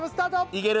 ・いける！